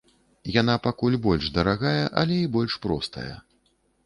Яна пакуль больш дарагая, але і больш простая.